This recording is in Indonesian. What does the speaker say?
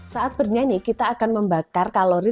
saat bernyanyi kita akan membakar kalori